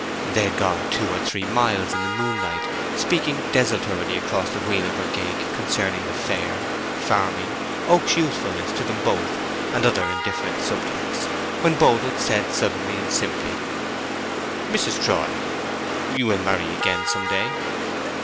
They had gone two or three miles in the moonlight, speaking desultorily across the wheel of her gig concerning the fair, farming, Oak's usefulness to them both, and other indifferent subjects, when Boldwood said suddenly and simply— "Mrs. Troy, you will marry again some day?"